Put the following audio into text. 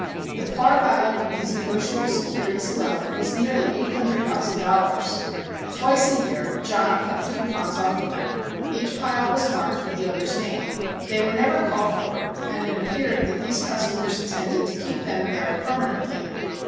The par value of these negotiable securities alone was nearly eight hundred thousand dollars. Twice a year John cut the coupons off of them. Each pile was marked with the owner's name. They were never called for, and it appeared that these customers intended to keep them there permanently.